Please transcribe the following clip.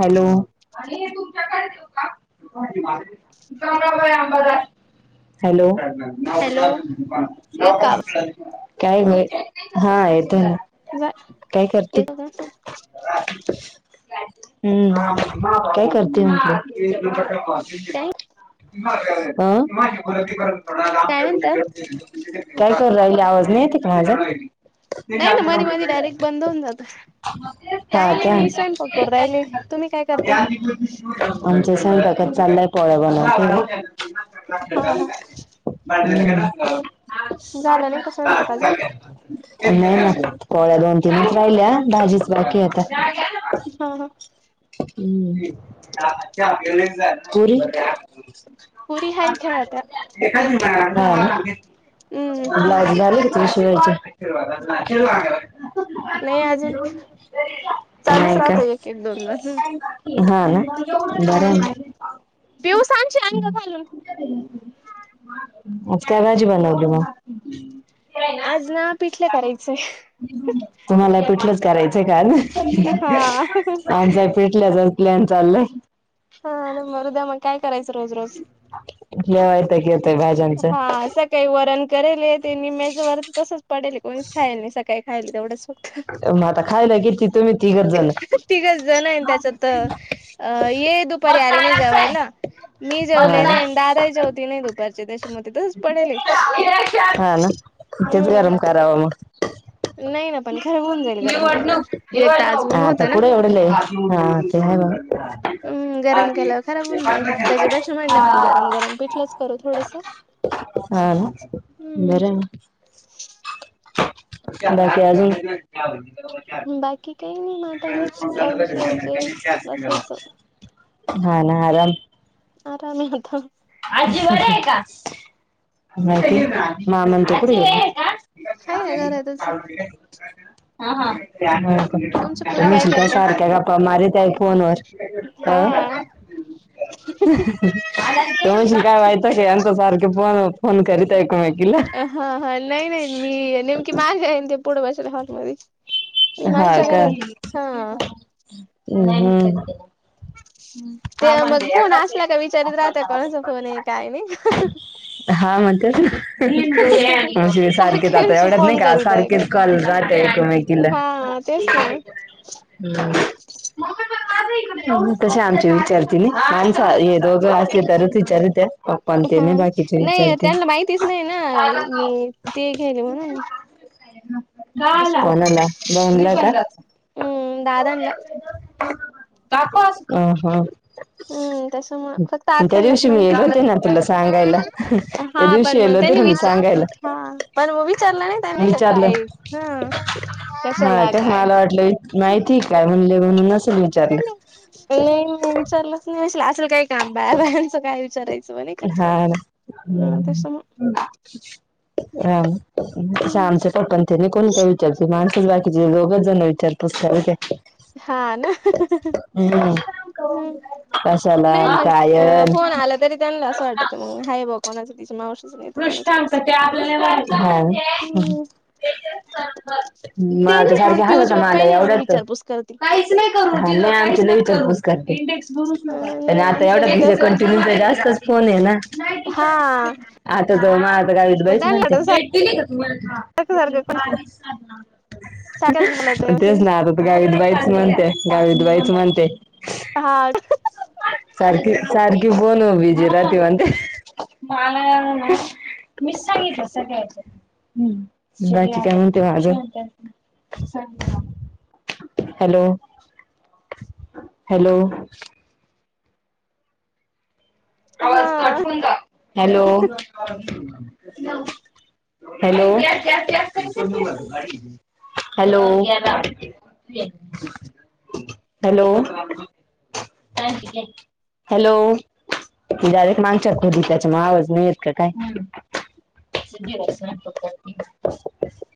Hello बा hello hello येतो का आवाज काय नाही हा येत काय करते येतो का हम्म काय करते म हि काय हम काय म्हणता काय करली आवाज नाही येत का माझा नाही ना मधी मधी डायरेक्ट बंद होऊन जात हा काही नाही का मी स्वय पतो को राहिले तुम्ही काय करता आमच्या संटकत चाललंय पळ बन हा हा [inaudible] [inaudible] झालं नाही का स्वयंपाक अजून नाही ना पोळ्या दोन तीनच राहिल्या भाजीच बाकी आता हा ह हम्मल्या [inaudible] पुरी हाय खेळत्या हम्म बर कृषयच नाही अजून चालूच नाही का राहत एक एक दोन दोन हा ना बर प्यवसांची अनंगा घालून काय भाजी बनव आज ना पिठलं करायचंय [inaudible] तुम्हाला पिठलंच करायचंय हा का आमचा फिटल्याच प्लॅन चालय हा आणि मृदया मग काय करायचं रोज रोज यायत क हा सग काही वरण करेल ते मेज वर तसंच पडेल कोणीच खायला नाही सकाळी खायल तेवढंच हो मग आता खायला किती तुम्ही तिघच जण तिघच जण आहे त्याच्यात अ ये दुपारी आली नाही जवायला मी हा जेवले ना नाही दादा जेवती नाही दुपारचे देशमतच पडेल हम् रावा म नाही ना पण खर होऊन जाईल गरम निवडणक केल्यावर एक तर आज निवका ऊन आता होतं ना. कुठे एवडलय हा ते नाही हम्म बा गरम केल्यावर खराब होऊन जाईल त्याच्यापेक्षा म्हटलं मग अ गरम गरम पिठलंच करू थोडस हा हम्म बर ना बाकी अजून बाकी काही नाही मग आता हेच ब्लाउज शिवायचे. [inaudible] बसायचं हा ना आराम आरामे होता आजी आहे का मामंतु पु आहे ना घरातच [inaudible] तुमच्या पुरी तुम्ही असल काय करताय? सारख्या गप्प्या मारत आहे फोनवर. हा अ ते म्हणशील काय माहतं काय यांच्या सारखे फोन फोन करीत आहे ऐकमेकीला. हा हा ल नाही नाही मी नेमकी मा. [unintelligible] पोडवायचे हातमध्ये हाय का हम्म हम्म. ते मग फोन असला का विचारत राहतं कोणाचा फोन आहे काय नाही. हा म्हणते म्हणजे सारखेच सारखे आता एवढ्याच नाही फोन का करीत आहे सारखेच कॉल जाते एकमेकीला. हा तेच ना [unintelligible] तुम्ही माणसे ये दोघं असती तरी विचारिते पप्पानं हा तेन बाकीच नाही विचारती. त्यांना माहितीच नाही ना मी ते घ्यायली म्हणून. त्याच्यामुळ कोणाला बऊनला का? हम्म दादांला हा हा हम्म. तस म फक्त त्या आत्यानंच दिवशी मी येल माहिती होते ना तुला सांगायला त्या हा दिवशी पण म येल होते त्यांनी ना मी विचार सांगायला हा पण मग विचारलं नाही त्यांनी का विचारलं काय हा. हा काय मला वाटलं इ माहिती काय म्हणले म्हणून नसेल विचारलं. नाही नाही विचारलंच नाही असेल असलं काय काम बायाबायांचं काय विचाराय हा ना हम्म हा. तसं मग आमच्या पप्पा तेनी कोण काय विचारते माणसच बाकीचे दोघच जण विचारतोस. [unintelligible] हा ना. हम्म कशाला नाही अन मंग अ कायन फोन आला तरी त्यां असं वाटतं मग हाय बघ कोणाचं तिचा मावशीचा ना येतो. हां हम्म. ते माल तर नाही एवढी सारखे [unintelligible] पिऊच्या होता बाप्पा मला. नाही एवढी [unintelligible] विचारपूस करते हा नाही आमच्या लई विचारपूस करते. त्यांने नाही आता आमचं एवढा नाही तुझ्या तस कंटिन्यूचं जास्तच फोन आहे ना. हा आता तो माता गावीत मग बाईच त्यांना म्हणते. वाटत सारखं सारखं सारखंच बोलत आहे तेच ना आता तर गावीतबाईच म्हणते गावीतबाईच म्हणते. हाड सारखी सारखी बोलव बीज. [unintelligible] मला मीच सांगितलं सगळ्याचं. बाकी काय म्हणते माझं हॅलो हॅलो. हा hello hello hello hello hello. Direct मांगच्यात होती त्याच्या म आवाज नाही येत का काय? [unintelligible]